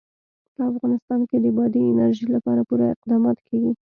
په افغانستان کې د بادي انرژي لپاره پوره اقدامات کېږي.